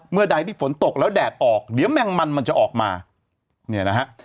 เมื่อใดที่ฝนตกแล้วแดดออกเดี๋ยวแมงมันมันจะออกมาเนี่ยนะฮะ